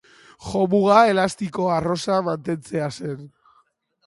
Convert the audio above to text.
Jomuga elastiko arrosa mantentzea zen.